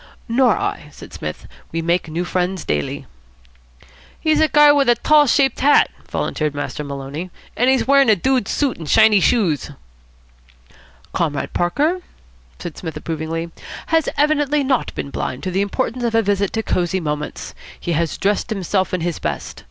"Nor I," said Psmith. "We make new friends daily." "He's a guy with a tall shaped hat," volunteered Master Maloney, "an' he's wearin' a dude suit an' shiny shoes." "Comrade Parker," said Psmith approvingly, "has evidently not been blind to the importance of a visit to Cosy Moments. He has dressed himself in his best.